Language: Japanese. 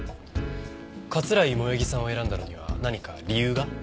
桂井萌衣さんを選んだのには何か理由が？